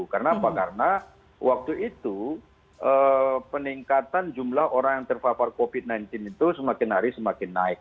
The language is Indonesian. karena apa karena waktu itu peningkatan jumlah orang yang terpapar covid sembilan belas itu semakin hari semakin naik